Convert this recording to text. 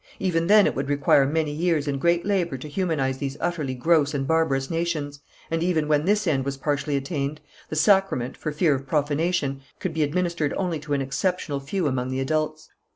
Even then it would require many years and great labour to humanize these utterly gross and barbarous nations, and even when this end was partially attained, the sacrament, for fear of profanation, could be administered only to an exceptional few among the adults.